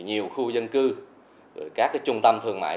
nhiều khu dân cư các trung tâm thương mại